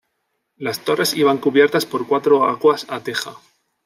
Las torres iban cubiertas por cuatro aguas a teja.